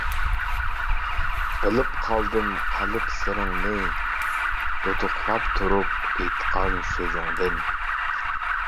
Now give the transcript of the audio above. بىلىپ قالدىم قەلب سىرىڭنى، دۇدۇقلاپ تۇرۇپ ئېيتقان سۆزۈڭدىن.